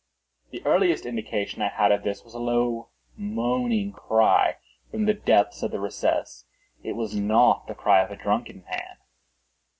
The earliest indication I had of this was a low moaning cry from the depth of the recess. It was not the cry of a drunken man.